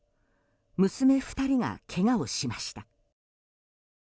娘２人がけがをしました。